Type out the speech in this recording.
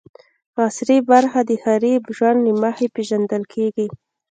عصري برخه د ښاري ژوند له مخې پېژندل کېږي.